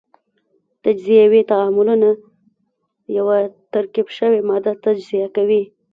تجزیوي تعاملونه یوه ترکیب شوې ماده تجزیه کوي.